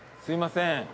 すいません。